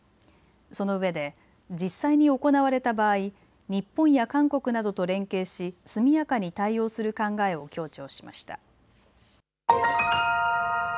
そのうえで実際に行われた場合、日本や韓国などと連携し速やかに対応する考えを強調しました。